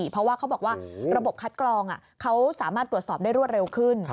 เพราะว่าเขาบอกว่าระบบคัดกรองเขาสามารถตรวจสอบได้รวดเร็วขึ้น